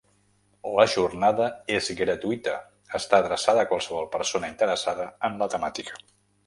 La jornada és gratuïta està adreçada a qualsevol persona interessada en la temàtica.